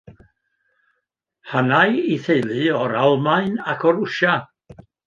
Hanai ei theulu o'r Almaen ac o Rwsia.